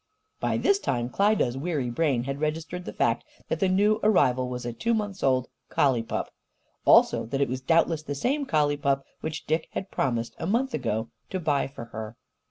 By this time Klyda's weary brain had registered the fact that the new arrival was a two months old collie pup also that it was doubtless the same collie pup which Dick had promised, a month ago, to buy for her.